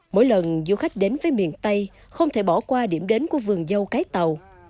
mỗi lần du khách đến với miền tây không thể bỏ qua điểm đến của vườn dâu cái tàu